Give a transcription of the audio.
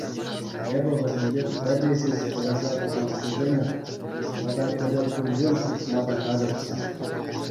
Эпӗ вӗсемпе пӗрре ҫеҫ выляса пӑхассишӗнех тата тепӗр курпун хушма та хатӗрччӗ.